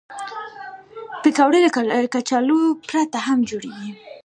پکورې له کچالو پرته هم جوړېږي